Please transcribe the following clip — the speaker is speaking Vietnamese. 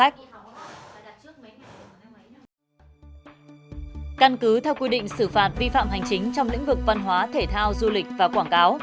căn cứ theo quy định xử phạt vi phạm hành chính trong lĩnh vực văn hóa thể thao du lịch và quảng cáo